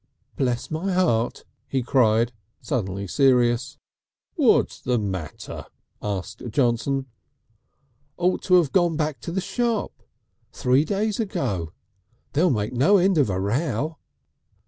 "Bless my heart!" he cried, suddenly serious. "What's the matter?" asked Johnson. "Ought to have gone back to shop three days ago. They'll make no end of a row!"